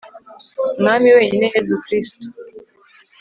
mwami wenyine yezu kristu